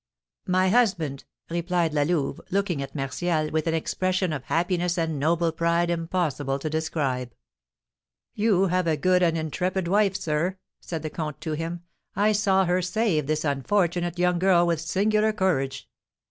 "My husband!" replied La Louve, looking at Martial with an expression of happiness and noble pride impossible to describe. "You have a good and intrepid wife, sir," said the comte to him. "I saw her save this unfortunate young girl with singular courage."